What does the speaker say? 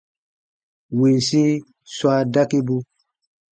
Winsi swa dakibu.